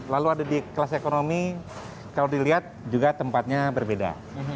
lalu ada di kelas ekonomi kalau dilihat juga tempatnya berbeda